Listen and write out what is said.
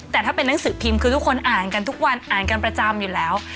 แต่ถ้าเป็นหนังสือพิมพ์คือทุกคนอ่านกันทุกวันอ่านกันประจำอยู่แล้ว